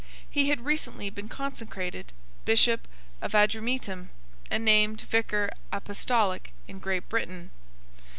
He had recently been consecrated Bishop of Adrumetum, and named Vicar Apostolic in Great Britain.